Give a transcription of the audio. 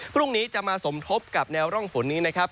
พรุ่งนี้จะมาสมทบกับแนวร่องฝนนี้นะครับ